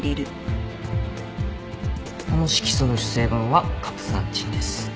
この色素の主成分はカプサンチンです。